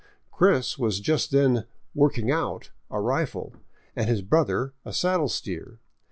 " Chris '* was just then " working out " a rifle, and his brother a saddle steer.